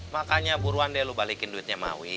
makanya buruan deh lo balikin duitnya mawi